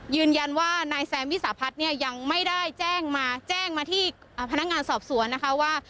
ยืนยันว่านายแซมวิสาพัฒน์เนี่ยยังไม่ได้แจ้งมาแจ้งมาที่พนักงานสอบสวนนะคะว่า